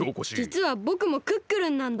じつはぼくもクックルンなんだ！